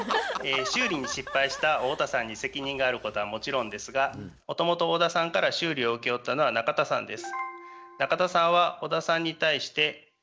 修理に失敗した太田さんに責任があることはもちろんですがもともと小田さんから修理を請け負ったのは中田さんです。